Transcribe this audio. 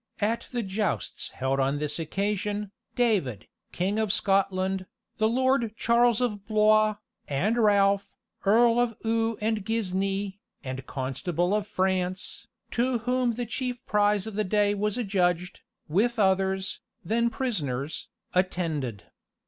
At the jousts held on this occasion, David, King of Scotland, the Lord Charles of Blois, and Ralph, Earl of Eu and Guisnes, and Constable of France, to whom the chief prize of the day was adjudged, with others, then prisoners, attended.